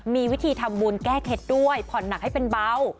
มีวิธีทำบุญแก้เคล็ดด้วยผ่อนหนักให้เป็นเบา